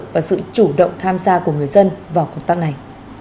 và sự chủ động tham gia của người dân vào công tác này